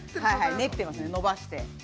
ねってますねのばして。